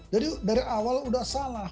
jadi dari awal udah salah